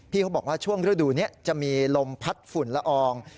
เขาบอกว่าช่วงฤดูนี้จะมีลมพัดฝุ่นละออง